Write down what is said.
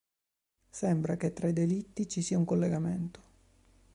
Sembra che tra i delitti ci sia un collegamento.